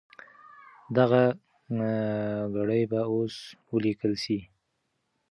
دغه ګړې به اوس ولیکل سي.